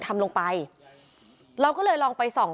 เมื่อวานหลังจากโพดำก็ไม่ได้ออกไปไหน